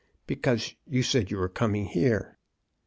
Because you said you were coming here."